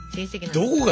どこが？